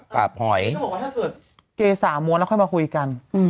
ก็บอกว่าถ้าเกสามวนแล้วค่อยมาคุยกัน